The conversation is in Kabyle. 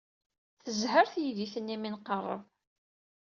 Tezher teydit-nni mi nqerreb.